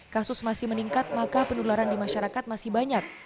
kasus masih meningkat maka penularan di masyarakat masih banyak